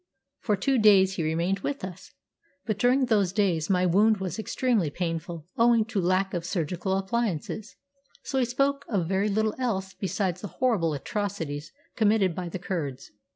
For two days he remained with us; but during those days my wound was extremely painful owing to lack of surgical appliances, so we spoke of very little else besides the horrible atrocities committed by the Kurds.